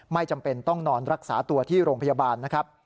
ไม่จำเป็นต้องนอนรักษาตัวที่โรงพยาบาล